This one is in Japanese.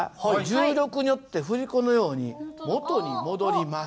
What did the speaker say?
重力によって振り子のように元に戻ります。